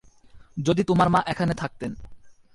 যদি তোমার মা এখানে থাকতেন।